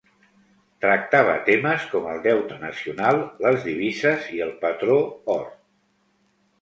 Tractava temes com el deute nacional, les divises i el patró or.